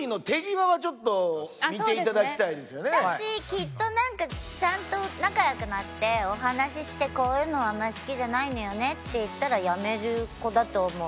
きっとなんかちゃんと仲良くなってお話ししてこういうのあんまり好きじゃないのよねって言ったらやめる子だと思う。